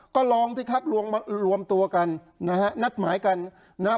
ก็ลองที่ครับรวมตัวกันนะฮะนัดหมายกันนะฮะ